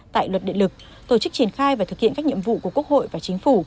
tại luật điện lực tổ chức triển khai và thực hiện các nhiệm vụ của quốc hội và chính phủ